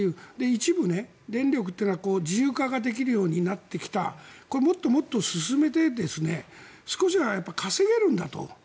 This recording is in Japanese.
一部、電力というのは自由化ができるようになってきたこれ、もっともっと進めて少しは稼げるんだと。